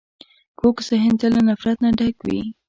کوږ ذهن تل له نفرت نه ډک وي